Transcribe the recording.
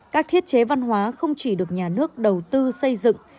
các thiết chế văn hóa không chỉ được nhà nước đầu tư xây dựng